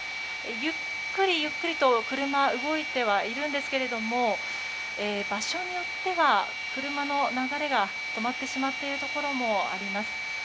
ゆっくり、ゆっくりと車、動いてはいるんですけれども場所によっては車の流れが止まってしまっているところもあります。